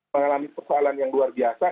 mengalami persoalan yang luar biasa